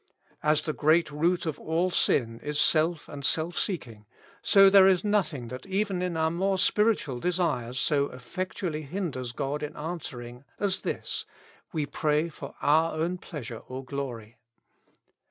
As the great root of all sin is self and self seeking, so there is nothing that even in our more spiritual desires so effectually hinders God in answering as this : we pray for our own pleasure or glory.